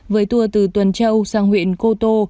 với tour từ tuần châu sang huyện cô tô